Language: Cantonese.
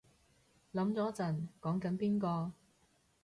諗咗陣講緊邊個